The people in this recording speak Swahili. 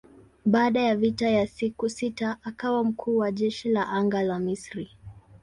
Baada ya vita ya siku sita akawa mkuu wa jeshi la anga la Misri.